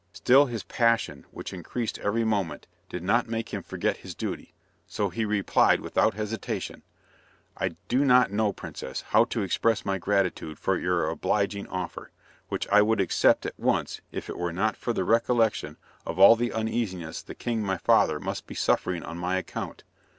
Still his passion, which increased every moment, did not make him forget his duty. So he replied without hesitation: "I do not know, Princess, how to express my gratitude for your obliging offer, which I would accept at once if it were not for the recollection of all the uneasiness the King my father must be suffering on my account.